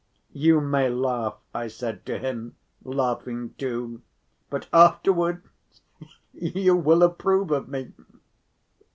"You may laugh," I said to him, laughing too, "but afterwards you will approve of me."